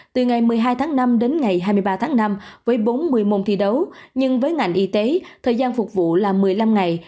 từ ngày một mươi hai tháng năm đến ngày hai mươi ba tháng năm với bốn mươi môn thi đấu nhưng với ngành y tế thời gian phục vụ là một mươi năm ngày